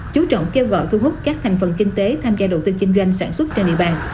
chú trọng kêu gọi thu hút các thành phần kinh tế tham gia đầu tư kinh doanh sản xuất trên địa bàn